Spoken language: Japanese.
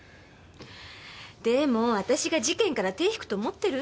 でも私が事件から手を引くと思ってる？